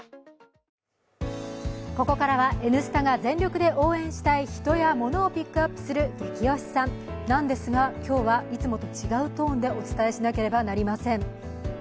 ここからは「Ｎスタ」が全力で応援したい人やモノをピックアップするゲキ推しさんなんですが、今日はいつもと違うトーンでお伝えしなければなりません。